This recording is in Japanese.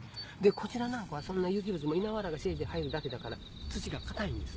こちらなんかはそんな有機物も稲わらがせいぜい入るだけだから土が硬いんです。